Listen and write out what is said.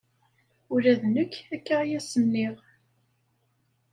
Ula d nekk akka i as-nniɣ.